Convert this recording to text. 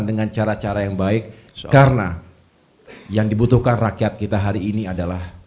dengan cara cara yang baik karena yang dibutuhkan rakyat kita hari ini adalah